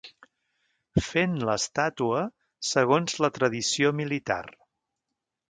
Fent l'estàtua segons la tradició militar.